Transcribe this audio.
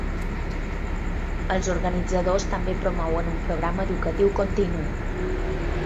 Els organitzadors també promouen un programa educatiu continu.